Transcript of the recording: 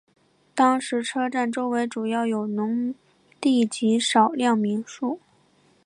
当时车站周围主要有农地及少量民居。